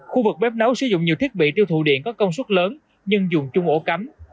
khu vực bếp nấu sử dụng nhiều thiết bị tiêu thụ điện có công suất lớn nhưng dùng chung ổ cắm